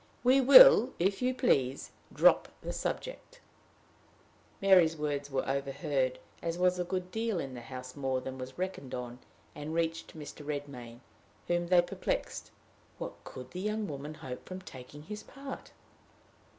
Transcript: "We will, if you please, drop the subject." Mary's words were overheard, as was a good deal in the house more than was reckoned on, and reached Mr. Redmain, whom they perplexed: what could the young woman hope from taking his part?